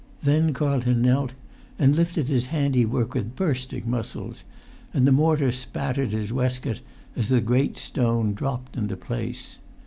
Then Carlton knelt, and lifted his handiwork with bursting muscles; and the mortar spattered his waistcoat as the great stone dropped into place.